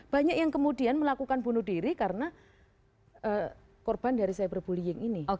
banyak yang kemudian melakukan bunuh diri karena korban dari cyberbullying ini